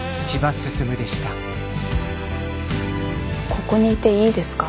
ここにいていいですか？